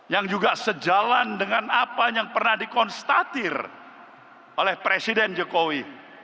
yang juga sejalan dengan apa yang pernah dikonstatir oleh presiden jokowi